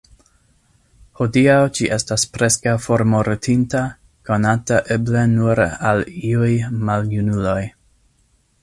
Hodiaŭ ĝi estas preskaŭ formortinta, konata eble nur al iuj maljunuloj.